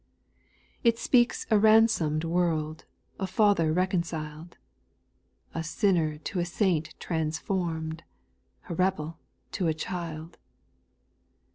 4. It speaks a ransomed world, A Father reconciled, A sinner to a saint transformed, A rebel to a child.